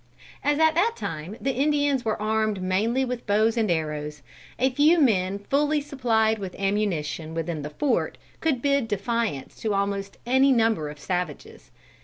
As at that time the Indians were armed mainly with bows and arrows, a few men fully supplied with ammunition within the fort could bid defiance to almost any number of savages.